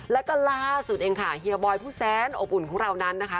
แล้วก็ล่าสุดเองค่ะเฮียบอยผู้แสนอบอุ่นของเรานั้นนะคะ